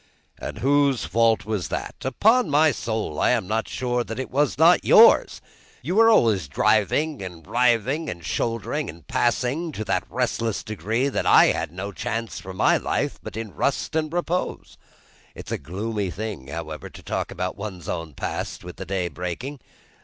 "And whose fault was that?" "Upon my soul, I am not sure that it was not yours. You were always driving and riving and shouldering and passing, to that restless degree that I had no chance for my life but in rust and repose. It's a gloomy thing, however, to talk about one's own past, with the day breaking.